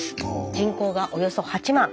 人口がおよそ８万。